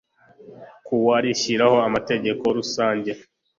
ku wa rishyiraho amategeko rusange